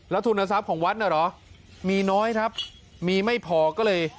ทุนทรัพย์ของวัดน่ะเหรอมีน้อยครับมีไม่พอก็เลย